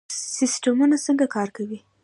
سیستمونه څنګه کار کوي؟